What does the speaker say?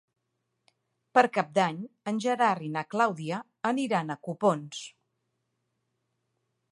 Per Cap d'Any en Gerard i na Clàudia aniran a Copons.